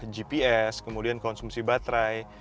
gps kemudian konsumsi baterai